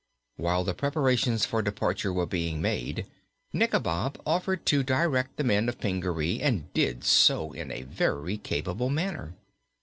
While the preparations for departure were being made, Nikobob offered to direct the men of Pingaree, and did so in a very capable manner.